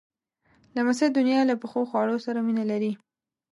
لمسی د نیا له پخو خواړو سره مینه لري.